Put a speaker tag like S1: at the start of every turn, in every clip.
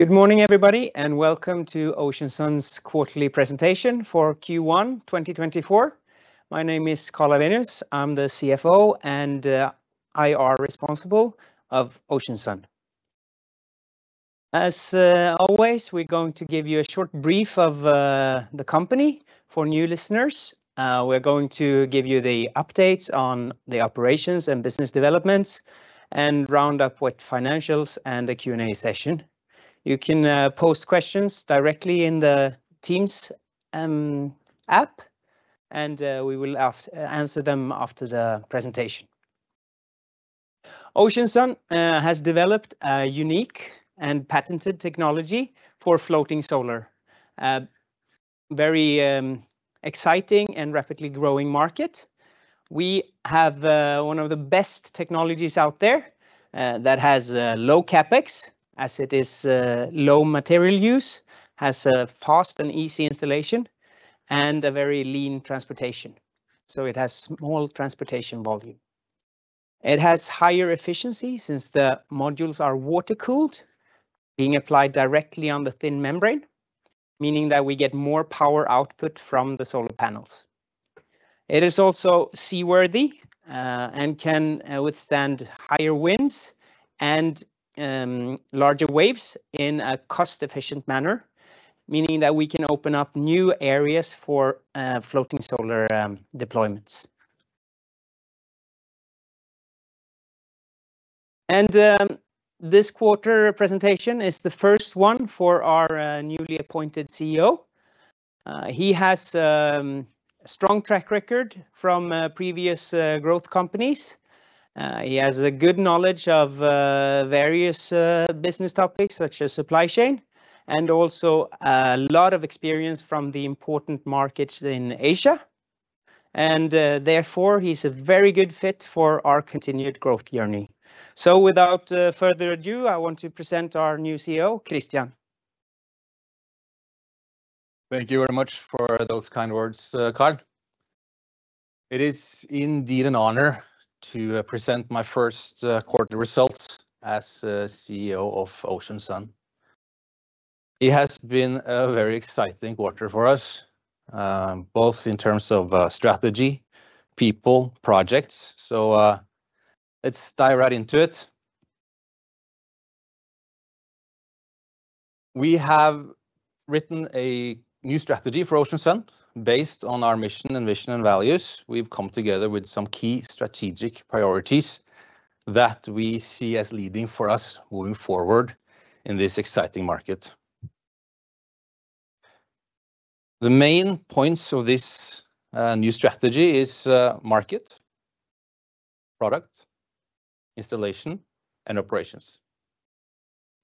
S1: Good morning, everybody, and welcome to Ocean Sun's quarterly presentation for Q1 2024. My name is Karl Lawenius. I'm the CFO and IR responsible of Ocean Sun. As always, we're going to give you a short brief of the company for new listeners. We're going to give you the updates on the operations and business developments, and round up with financials and a Q&A session. You can post questions directly in the Teams app, and we will answer them after the presentation. Ocean Sun has developed a unique and patented technology for floating solar. Very exciting and rapidly growing market. We have one of the best technologies out there that has low CapEx, as it is low material use, has a fast and easy installation, and a very lean transportation. So it has small transportation volume. It has higher efficiency since the modules are water-cooled, being applied directly on the thin membrane, meaning that we get more power output from the solar panels. It is also seaworthy, and can withstand higher winds and larger waves in a cost-efficient manner, meaning that we can open up new areas for floating solar deployments. This quarter presentation is the first one for our newly appointed CEO. He has a strong track record from previous growth companies. He has a good knowledge of various business topics such as supply chain, and also a lot of experience from the important markets in Asia. Therefore, he's a very good fit for our continued growth journey. So without further ado, I want to present our new CEO, Kristian Tørvold.
S2: Thank you very much for those kind words, Karl. It is indeed an honor to present my first quarter results as CEO of Ocean Sun. It has been a very exciting quarter for us, both in terms of strategy, people, projects, so let's dive right into it. We have written a new strategy for Ocean Sun based on our mission and vision, and values. We've come together with some key strategic priorities that we see as leading for us moving forward in this exciting market. The main points of this new strategy is market, product, installation, and operations.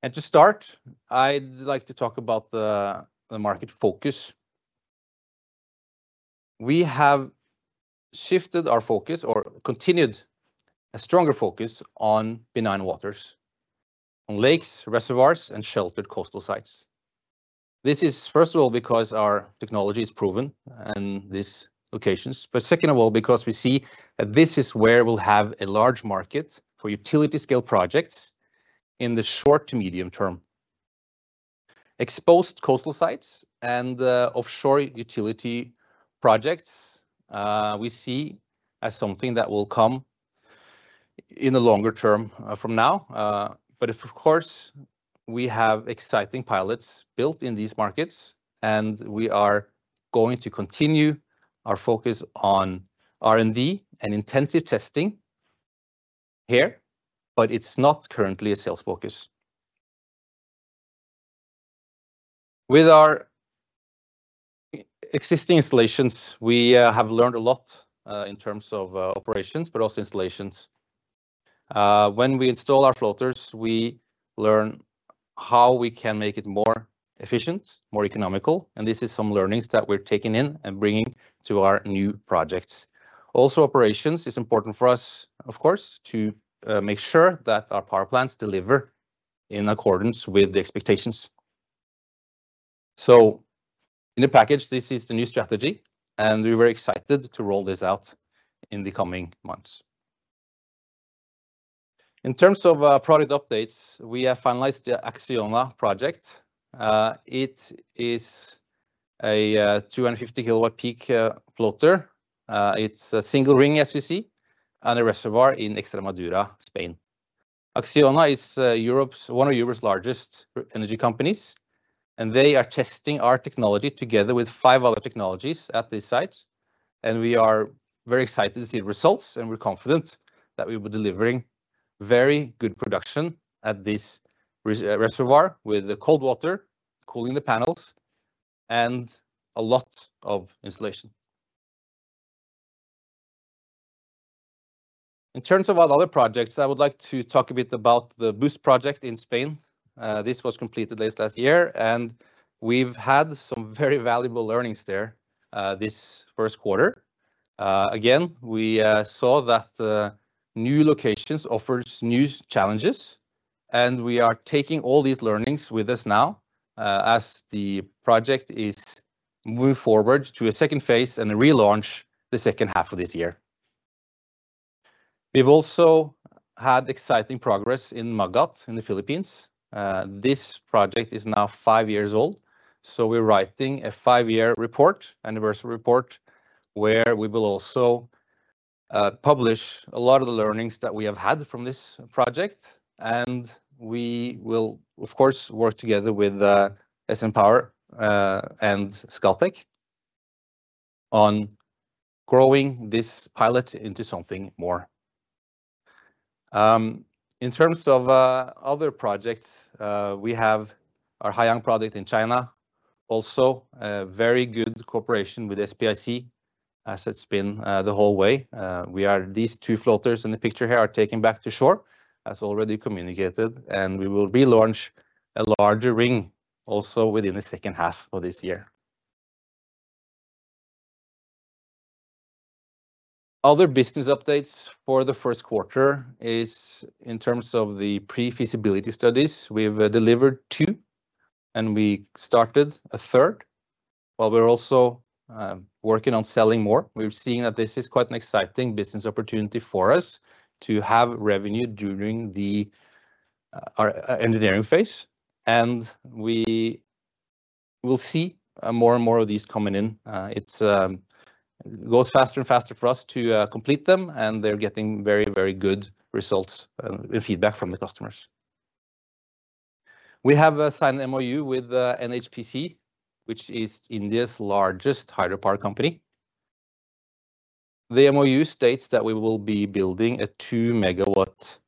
S2: And to start, I'd like to talk about the market focus. We have shifted our focus, or continued a stronger focus, on benign waters, on lakes, reservoirs, and sheltered coastal sites. This is, first of all, because our technology is proven in these locations, but second of all, because we see that this is where we'll have a large market for utility-scale projects in the short to medium term. Exposed coastal sites and offshore utility projects, we see as something that will come in the longer term from now. But of course, we have exciting pilots built in these markets, and we are going to continue our focus on R&D and intensive testing here, but it's not currently a sales focus. With our existing installations, we have learned a lot in terms of operations, but also installations. When we install our floaters, we learn how we can make it more efficient, more economical, and this is some learnings that we're taking in and bringing to our new projects. Also, operations is important for us, of course, to make sure that our power plants deliver in accordance with the expectations. So in a package, this is the new strategy, and we're very excited to roll this out in the coming months. In terms of product updates, we have finalized the Acciona project. It is a 250 kWp floater. It's a single ring, as we see, on a reservoir in Extremadura, Spain. Acciona is one of Europe's largest energy companies, and they are testing our technology together with five other technologies at this site, and we are very excited to see the results, and we're confident that we'll be delivering very good production at this reservoir, with the cold water cooling the panels and a lot of insulation. In terms of our other projects, I would like to talk a bit about the BOOST project in Spain. This was completed late last year, and we've had some very valuable learnings there, this first quarter. Again, we saw that new locations offers new challenges, and we are taking all these learnings with us now, as the project is moving forward to a second phase and a relaunch the second half of this year. We've also had exciting progress in Magat, in the Philippines. This project is now five years old, so we're writing a five-year report, anniversary report, where we will also publish a lot of the learnings that we have had from this project, and we will, of course, work together with SN Aboitiz Power and Scatec on growing this pilot into something more. In terms of other projects, we have our Haiyang project in China, also a very good cooperation with SPIC, as it's been the whole way. The two floaters in the picture here are taken back to shore, as already communicated, and we will relaunch a larger ring also within the second half of this year. Other business updates for the first quarter is in terms of the pre-feasibility studies. We've delivered two, and we started a third, while we're also working on selling more. We've seen that this is quite an exciting business opportunity for us to have revenue during our engineering phase, and we will see more and more of these coming in. It goes faster and faster for us to complete them, and they're getting very, very good results and feedback from the customers. We have signed an MoU with NHPC, which is India's largest hydropower company. The MoU states that we will be building a 2-MW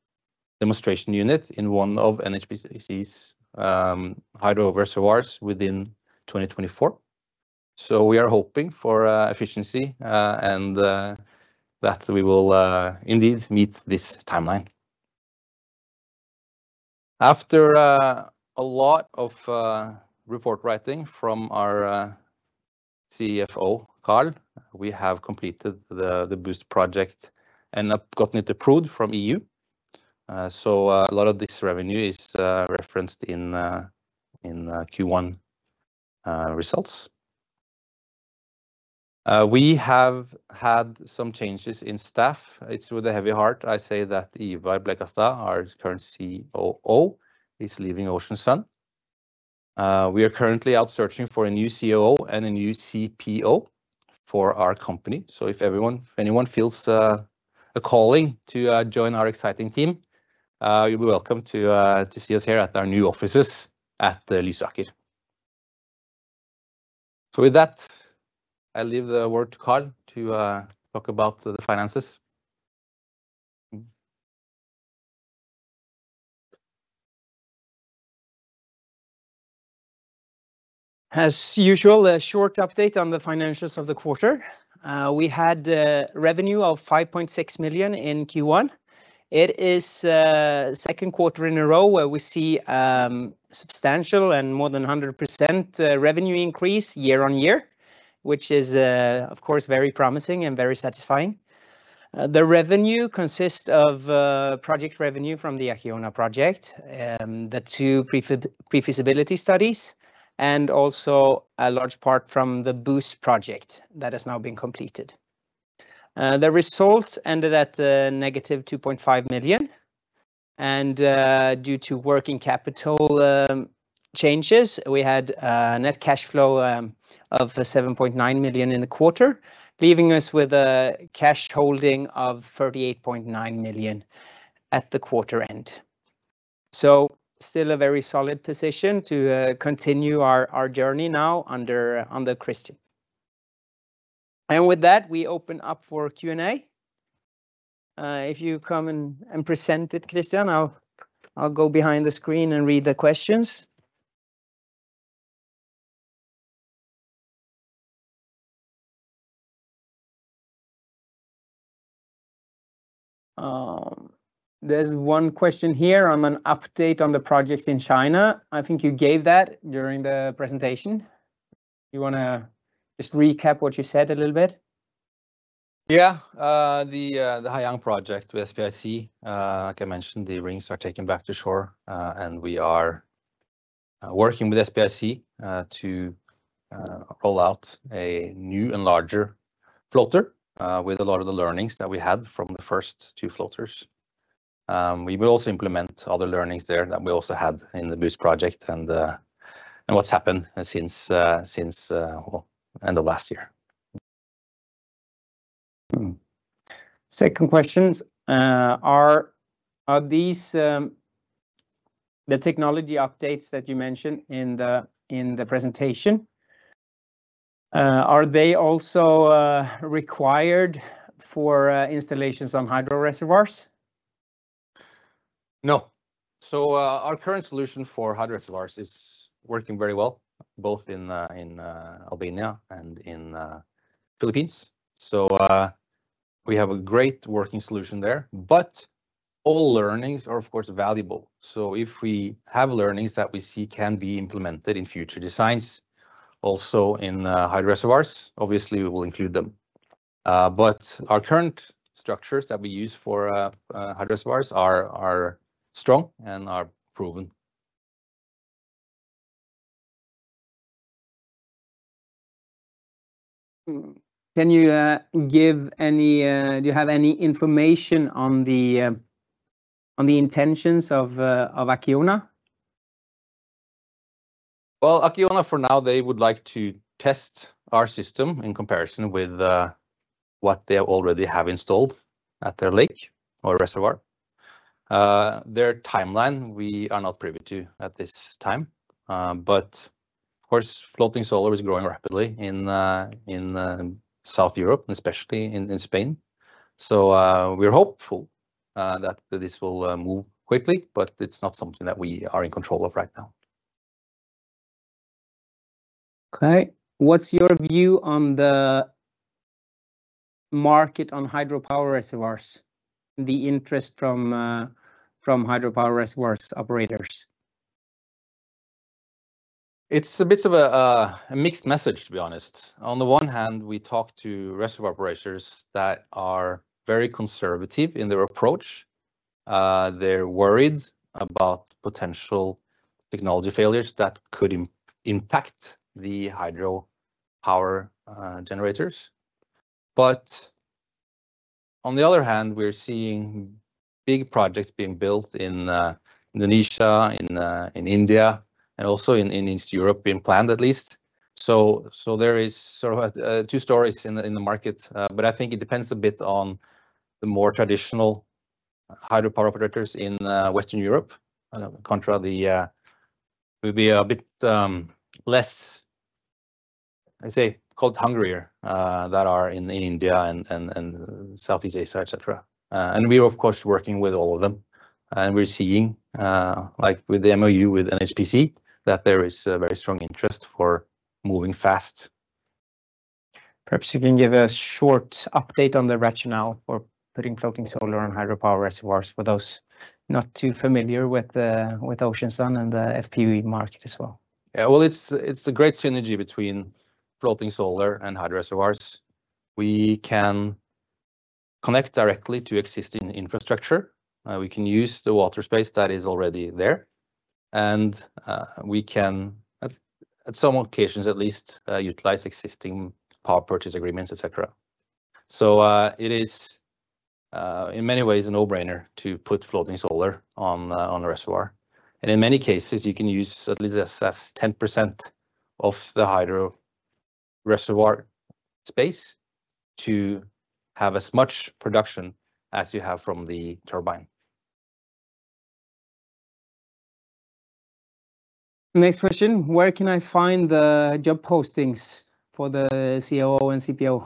S2: demonstration unit in one of NHPC's hydro reservoirs within 2024. So we are hoping for efficiency and that we will indeed meet this timeline. After a lot of report writing from our CFO, Karl, we have completed the BOOST project and have gotten it approved from EU. So a lot of this revenue is referenced in Q1 results. We have had some changes in staff. It's with a heavy heart I say that Ivar Blekastad, our current COO, is leaving Ocean Sun. We are currently out searching for a new COO and a new CPO for our company. So if everyone, anyone feels a calling to join our exciting team, you'll be welcome to see us here at our new offices at Lysaker. So with that, I leave the word to Karl to talk about the finances.
S1: As usual, a short update on the financials of the quarter. We had a revenue of 5.6 million in Q1. It is second quarter in a row where we see substantial and more than 100% revenue increase year-on-year, which is, of course, very promising and very satisfying. The revenue consists of project revenue from the Acciona project, the two pre-feasibility studies, and also a large part from the BOOST project that has now been completed. The result ended at -2.5 million, and due to working capital changes, we had a net cash flow of 7.9 million in the quarter, leaving us with a cash holding of 38.9 million at the quarter end. So still a very solid position to continue our, our journey now under, under Kristian. With that, we open up for Q&A. If you come and, and present it, Kristian, I'll, I'll go behind the screen and read the questions. There's one question here on an update on the project in China. I think you gave that during the presentation. You wanna just recap what you said a little bit?
S2: Yeah. The, the Haiyang project with SPIC, like I mentioned, the rings are taken back to shore, and we are working with SPIC, to, roll out a new and larger floater, with a lot of the learnings that we had from the first two floaters. We will also implement other learnings there that we also had in the BOOST project and, and what's happened since, since, well, end of last year.
S1: Second question: Are these the technology updates that you mentioned in the presentation? Are they also required for installations on hydro reservoirs?
S2: No. So, our current solution for hydro reservoirs is working very well, both in Albania and in Philippines. So, we have a great working solution there, but all learnings are, of course, valuable. So if we have learnings that we see can be implemented in future designs, also in hydro reservoirs, obviously, we will include them. But our current structures that we use for hydro reservoirs are strong and are proven....
S1: Do you have any information on the intentions of Acciona?
S2: Well, Acciona, for now, they would like to test our system in comparison with what they already have installed at their lake or reservoir. Their timeline, we are not privy to at this time. But of course, floating solar is growing rapidly in South Europe, and especially in Spain. So, we're hopeful that this will move quickly, but it's not something that we are in control of right now.
S1: Okay. What's your view on the market on hydropower reservoirs, the interest from hydropower reservoirs operators?
S2: It's a bit of a, a mixed message, to be honest. On the one hand, we talk to reservoir operators that are very conservative in their approach. They're worried about potential technology failures that could impact the hydropower generators. But on the other hand, we're seeing big projects being built in Indonesia, in India, and also in East Europe, being planned at least. So there is sort of two stories in the market, but I think it depends a bit on the more traditional hydropower operators in Western Europe, contra the... Would be a bit less, I'd say, coal-hungrier that are in India and Southeast Asia, et cetera. And we're of course working with all of them, and we're seeing, like with the MOU with NHPC, that there is a very strong interest for moving fast.
S1: Perhaps you can give a short update on the rationale for putting floating solar and hydropower reservoirs, for those not too familiar with Ocean Sun and the FPV market as well.
S2: Yeah, well, it's a great synergy between floating solar and hydro reservoirs. We can connect directly to existing infrastructure. We can use the water space that is already there, and we can, at some occasions, at least, utilize existing power purchase agreements, et cetera. So, it is, in many ways, a no-brainer to put floating solar on a reservoir. And in many cases, you can use at least 10% of the hydro reservoir space to have as much production as you have from the turbine.
S1: Next question, where can I find the job postings for the COO and CPO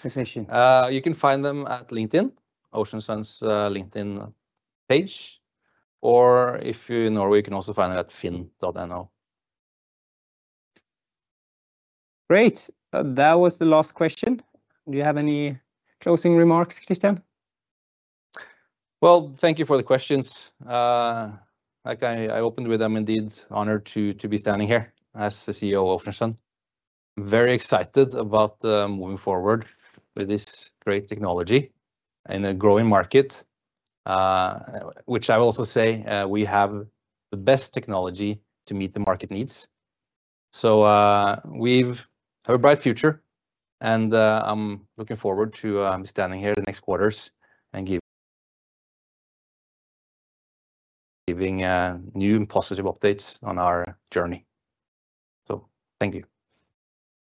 S1: position?
S2: You can find them at LinkedIn, Ocean Sun's LinkedIn page, or if you're in Norway, you can also find it at finn.no.
S1: Great! That was the last question. Do you have any closing remarks, Kristian?
S2: Well, thank you for the questions. Like I opened with, I'm indeed honored to be standing here as the CEO of Ocean Sun. Very excited about moving forward with this great technology and a growing market, which I will also say, we have the best technology to meet the market needs. So, we have a bright future, and I'm looking forward to standing here the next quarters and giving new and positive updates on our journey. So thank you.